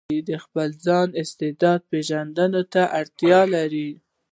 د خپل ځان استعداد پېژندنې ته اړتيا لري.